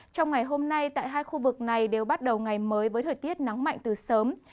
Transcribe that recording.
trong ngày hôm nay tại hai khu vực này đều bắt đầu ngày mới với thời tiết nắng mạnh từ sớm